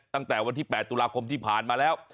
ตั้งแต่วันที่๘ตุลาคมที่ผ่านมาแล้ว